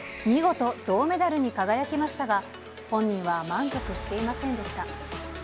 見事、銅メダルに輝きましたが、本人は満足していませんでした。